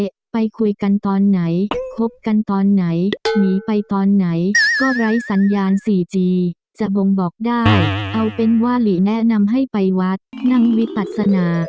ไปคุยกันตอนไหนคบกันตอนไหนหนีไปตอนไหนก็ไร้สัญญาณสี่จีจะบ่งบอกได้เอาเป็นว่าหลีแนะนำให้ไปวัดนั่งวิปัสนา